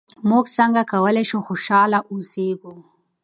موږ څنګه کولای شو خوشحاله اوسېږو؟